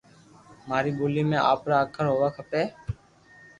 ماري ٻولي ۾ آپرا اکر ھووا کپي